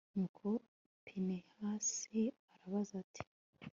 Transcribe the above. nuko pinehasi arabaza, ati